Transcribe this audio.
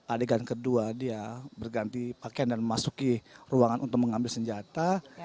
adegan kedua dia berganti pakaian dan memasuki ruangan untuk mengambil senjata